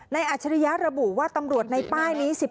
ในอัชฎิยาทร์ระบุว่าตำรวจในป้ายนี้๑๖๐นาย